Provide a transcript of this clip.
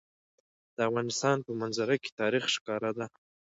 د افغانستان په منظره کې تاریخ ښکاره ده.